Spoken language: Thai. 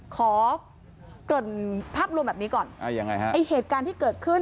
ขอผับรวมแบบนี้ก่อนเหตุการณ์ที่เกิดขึ้น